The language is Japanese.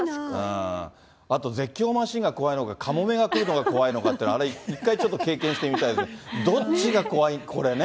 あと、絶叫マシンが怖いのか、カモメが来るのが怖いのかって、あれ、一回ちょっと経験してみたいですが、どっちが怖い、これね。